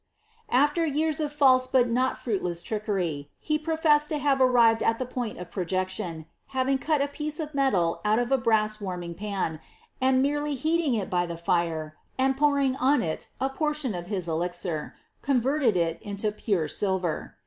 After years of false but not fmiiless trickery, he professed to havi arrived at the point of projection, having cut a piece of metal ntrt of t brass warming pan, and merely heating it by the fire and ponrin^ on it a portion of hia elixir, converted it into pure silver.